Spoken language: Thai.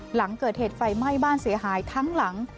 หลังเกิดเหตุไฟไหม้บ้านเสียหายทั้งหลัง